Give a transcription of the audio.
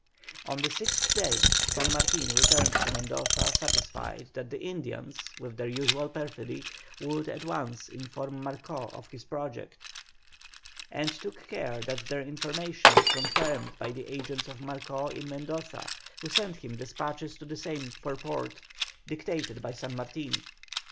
On the sixth day San Martin returned to Mendoza satisfied that the Indians, with their usual perfidy, would at once inform Marcó of his project, and took care that their information was confirmed by the agents of Marcó in Mendoza, who sent him despatches to the same purport, dictated by San Martin.